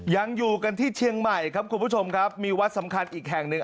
ยังอยู่กันที่เชียงใหม่ครับคุณผู้ชมครับมีวัดสำคัญอีกแห่งหนึ่ง